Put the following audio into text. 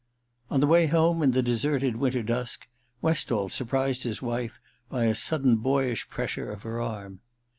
On the way home, in the deserted winter dusk, Westall surprised his wife by a sudden boyish pressure of her arm.